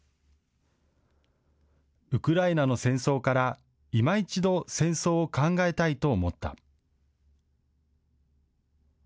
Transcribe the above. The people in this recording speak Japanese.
ウクライナの戦争からいま一度戦争を考えたいと思った。